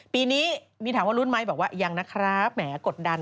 ปีนี้มีถามว่ารุ้นไหมบอกว่ายังนะครับแหมกดดัน